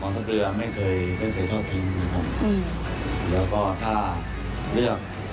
ทัพเรือไม่เคยไม่เคยทอดทิ้งนะครับแล้วก็ถ้าเลือก